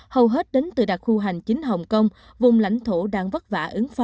hầu hết đến từ đặc khu hành chính hồng kông vùng lãnh thổ đang vất vả ứng phó